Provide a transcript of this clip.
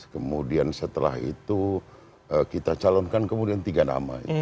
kemudian setelah itu kita calonkan kemudian tiga nama